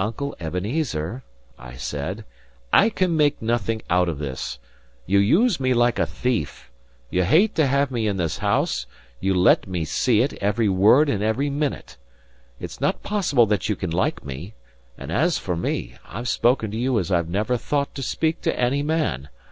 "Uncle Ebenezer," I said, "I can make nothing out of this. You use me like a thief; you hate to have me in this house; you let me see it, every word and every minute: it's not possible that you can like me; and as for me, I've spoken to you as I never thought to speak to any man.